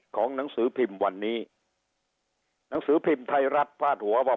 หนังสือพิมพ์วันนี้หนังสือพิมพ์ไทยรัฐพาดหัวว่า